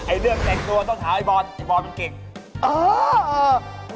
ไอ้เลื่อนแต่งตัวต้องถามไอ้บอลไอ้บอลมันเก่ง